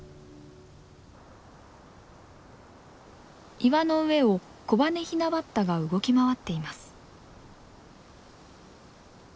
岩の上をコバネヒナバッタが動き回っています。